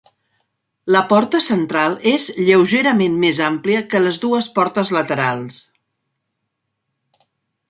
La porta central és lleugerament més àmplia que les dues portes laterals.